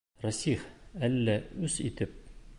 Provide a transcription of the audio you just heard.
Рәсих, әллә үс итеп...